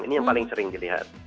ini yang paling sering dilihat